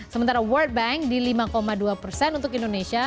sementara world bank di lima dua persen untuk indonesia